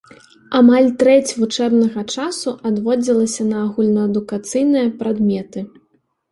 Амаль трэць вучэбнага часу адводзілася на агульнаадукацыйныя прадметы.